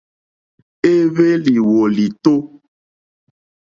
Éhwélì wòlìtó.